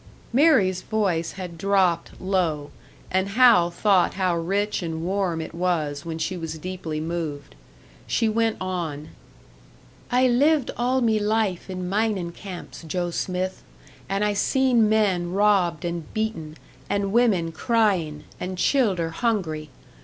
Mary's voice had dropped low, and Hal thought how rich and warm it was when she was deeply moved. She went on: "I lived all me life in minin' camps, Joe Smith, and I seen men robbed and beaten, and women cryin' and childer hungry.